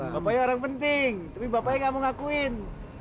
bapaknya orang penting tapi bapaknya gak mau ngakuin